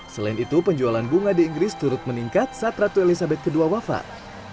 selain itu penjualan bunga di inggris turut meningkat saat ratu elizabeth ii wafat